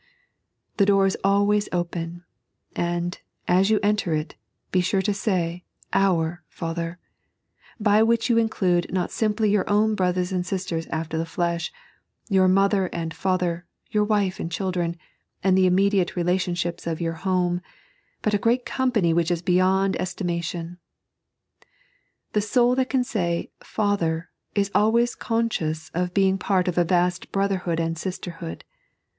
The door is always open ; and, as you enter it, be sure to say, " Oier Father," by which you include not simply your own brothers and sisters after the flesh — your mother and father, your wife and children, and the immediate relation ships of your home — but a great company which is beyond estimation. The soul that can say "Father" is always conscious of being pat of a vast brotherhood and Bister hood.